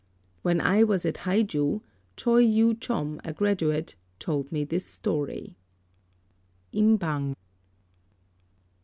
When I was at Hai ju, Choi Yu chom, a graduate, told me this story. Im Bang.